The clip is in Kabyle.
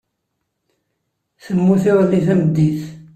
Temmut iḍelli tameddit.